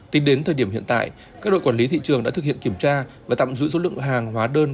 tính đến thời điểm hiện tại các đội quản lý thị trường đã thực hiện kiểm tra và tạm giữ số lượng hàng hóa đơn